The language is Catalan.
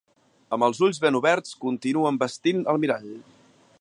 Amb els ulls ben oberts continua envestint el mirall.